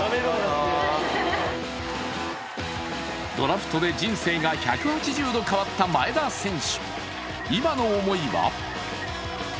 ドラフトで人生が１８０度変わった前田選手